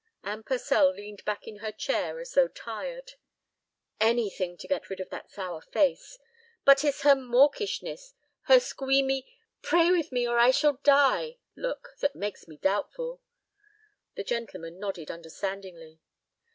Anne Purcell leaned back in her chair as though tired. "Anything to get rid of that sour face. But it's her mawkishness, her squeamy, 'pray with me or I shall die' look, that makes me doubtful." The gentleman nodded understandingly.